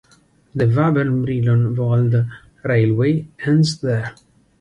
The Wabern–Brilon Wald railway ends there.